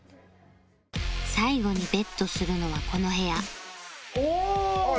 最後に ＢＥＴ するのはこの部屋あっ